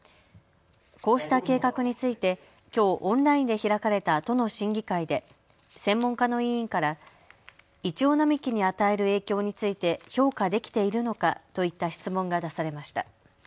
こうした計画についてきょうオンラインで開かれた都の審議会で専門家の委員からイチョウ並木に与える影響について評価できているのかといった質問が出されました。